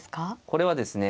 これはですね